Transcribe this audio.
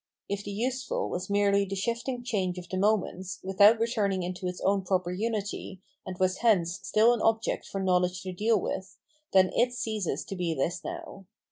If the useful was merely the shifting change of the moments, without returning into its own proper unity, and was hence stiff an object for knowledge to deal with, then it ceases to be this now.